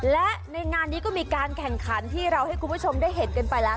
และในงานนี้ก็มีการแข่งขันที่เราให้คุณผู้ชมได้เห็นกันไปแล้ว